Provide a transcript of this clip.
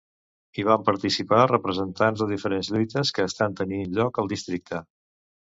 Hi van participar representants de diferents lluites que estan tenint lloc al districte.